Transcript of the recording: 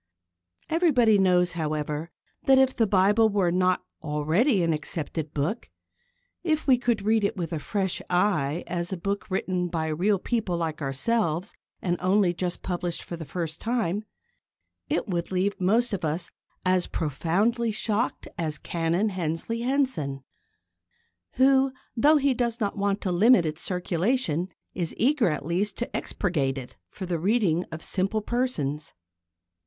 Everybody knows, however, that if the Bible were not already an accepted book if we could read it with a fresh eye as a book written by real people like ourselves and only just published for the first time it would leave most of us as profoundly shocked as Canon Hensley Henson, who, though he does not want to limit its circulation, is eager at least to expurgate it for the reading of simple persons.